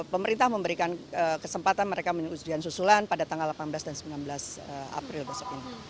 pemerintah memberikan kesempatan mereka menuju ujian susulan pada tanggal delapan belas dan sembilan belas april besok ini